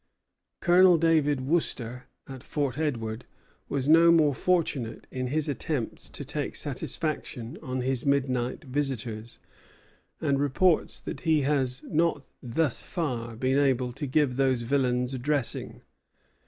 Colonel David Wooster, at Fort Edward, was no more fortunate in his attempts to take satisfaction on his midnight visitors; and reports that he has not thus far been able "to give those villains a dressing."